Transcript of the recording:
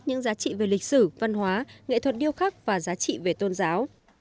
những giá trị về lịch sử văn hóa nghệ thuật điêu khắc và giá trị về tôn giáo